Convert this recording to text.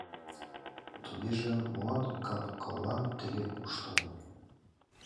Тугеже молан кап-кыллан тыге куштылго?